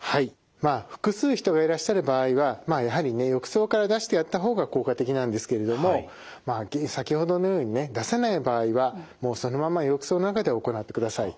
まあ複数人がいらっしゃる場合はやはりね浴槽から出してやった方が効果的なんですけれども先ほどのようにね出せない場合はもうそのまま浴槽の中で行ってください。